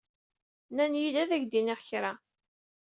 Nnan-iyi-d ad ak-d-iniɣ kra.